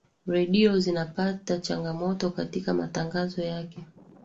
redio zinapata changamoto katika matangazo yake